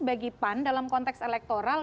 bagi pan dalam konteks elektoral